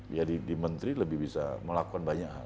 ya di menteri lebih bisa melakukan banyak hal